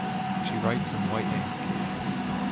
She writes in white ink.